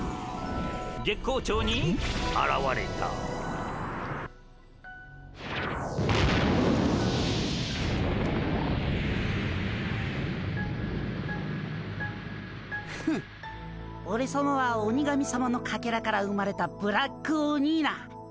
月光町にあらわれたフッオレさまは鬼神さまのかけらから生まれたブラックオニーナ。